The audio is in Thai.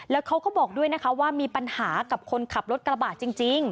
แล้วเขาก็บอกด้วยนะคะว่ามีปัญหากับคนขับรถกระบะจริง